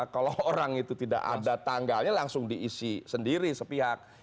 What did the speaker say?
kalau orang itu tidak ada tanggalnya langsung diisi sendiri sepihak